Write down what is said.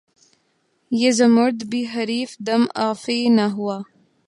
یہ زمرد بھی حریف دم افعی نہ ہوا